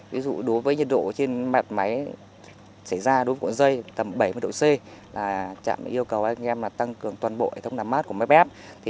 ví dụ đối với nhiệt độ trên mạng máy xảy ra đối tượng dây tầm bảy mươi độ c là trạm yêu cầu anh em tăng cường toàn bộ hệ thống làm mát của máy bép